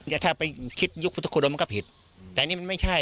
แต่ถ้าคิดยุคพุทธคศิษย์มันก็ผิดแต่นี่มันไม่ใช่